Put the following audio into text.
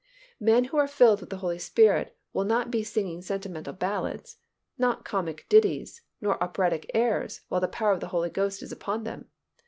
Men who are filled with the Holy Spirit will not be singing sentimental ballads, not comic ditties, nor operatic airs while the power of the Holy Ghost is upon them.